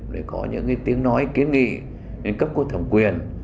để có những tiếng nói kiến nghị đến cấp quốc thẩm quyền